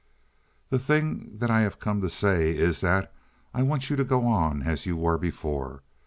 "The thing that I have come to say is that I want you to go on as you were before.